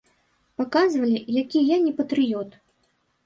Паказвалі, які я не патрыёт.